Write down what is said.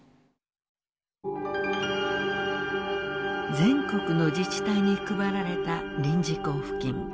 全国の自治体に配られた臨時交付金。